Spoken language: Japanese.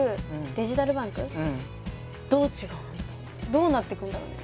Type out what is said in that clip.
どうなってくんだろうね？